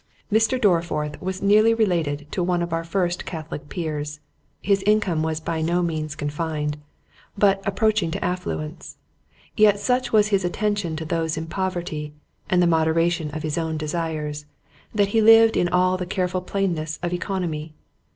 Mr. Dorriforth was nearly related to one of our first Catholic Peers; his income was by no means confined, but approaching to affluence; yet such was his attention to those in poverty, and the moderation of his own desires, that he lived in all the careful plainness of œconomy.